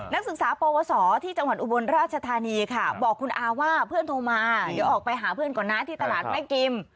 นักศึกษาปวสที่จังหวัดอุบลราชธานีค่ะบอกคุณอาว่าเพื่อนโทรมาเดี๋ยวออกไปหาเพื่อนก่อนนะที่ตลาดแม่กิม